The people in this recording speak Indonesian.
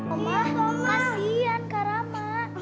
oma kasian kak rama